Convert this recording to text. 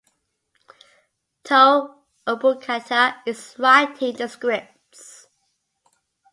Tow Ubukata is writing the scripts.